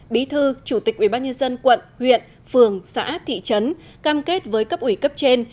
bí thư chủ tịch ubnd quận huyện phường xã thị trấn cam kết với cấp ủy cấp trên